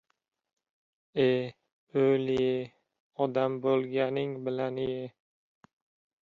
E, o‘l-ye, odam bo‘lganing bilan-ye!